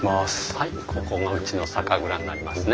はいここがうちの酒蔵になりますね。